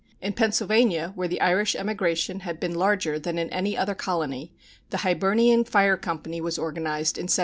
In Pennsylvania, where the Irish emigration had been larger than in any other colony, the Hibernian Fire Company was organized in 1751.